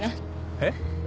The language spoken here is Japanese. えっ？